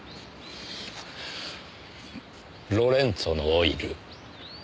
『ロレンツォのオイル』。